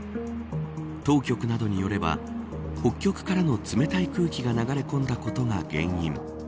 当局などによれば北極からの冷たい空気が流れ込んだことが原因。